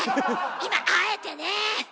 今あえてね。